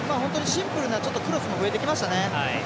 シンプルなクロスも増えてきましたね。